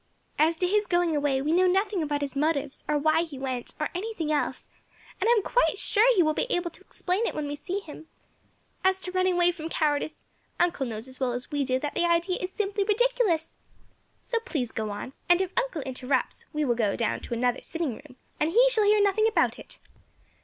As to his going away, we know nothing about his motives, or why he went, or anything else, and I am quite sure he will be able to explain it when we see him; as to running away from cowardice, uncle knows as well as we do that the idea is simply ridiculous. So please go on, and if uncle interrupts we will go down to another sitting room and he shall hear nothing about it."